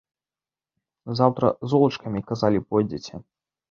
Заўтра золачкам, казалі, пойдзеце.